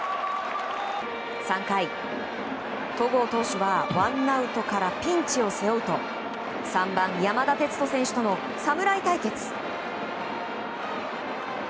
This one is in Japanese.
３回、戸郷投手はワンアウトからピンチを背負うと３番、山田哲人選手との侍対決。